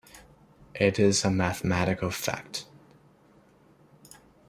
This is a mathematical fact!